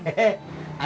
sudah sembuh bang